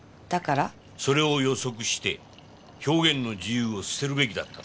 それを予測して表現の自由を捨てるべきだったと？